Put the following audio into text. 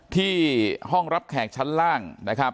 ที่ห้องรับแขกชั้นล่าง